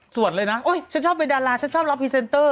เลยนะโอ๊ยฉันชอบเป็นดาราฉันชอบรับพรีเซนเตอร์